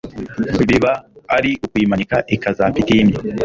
Biba ari ukuyimanika ikazapfa itimye